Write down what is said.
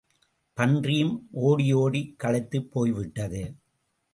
பன்றியும் ஓடி ஓடிக் களைத்துப் போய்விட்டது.